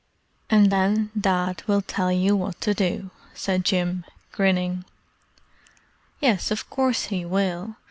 "And then Dad will tell you what to do," said Jim, grinning. "Yes of course he will.